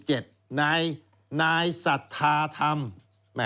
ติ๊กติ๊กอายุ๖๗นายสัทธาธรรม